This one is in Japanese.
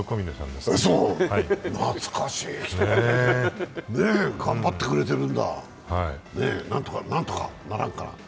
懐かしいね。頑張ってくれてるんだ、何とかならんか？